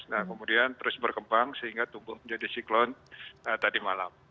nah kemudian terus berkembang sehingga tumbuh menjadi siklon tadi malam